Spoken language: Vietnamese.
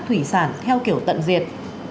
thủy sản theo kiểu tận diệt